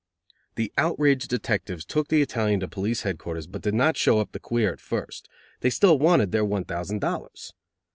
The outraged detectives took the Italian to police headquarters, but did not show up the queer at first; they still wanted their one thousand dollars.